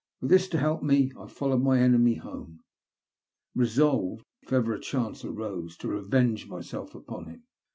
With this to help me I followed my enemy home, resolved, if ever a chance arose, to revenge myself upon him.